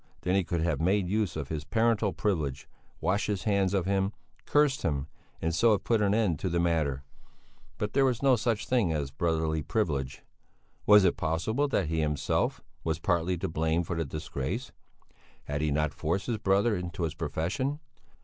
Then he could have made use of his parental privilege, washed his hands of him, cursed him, and so have put an end to the matter; but there was no such thing as a brotherly privilege. Was it possible that he himself, was partly to blame for the disgrace? Had he not forced his brother into his profession?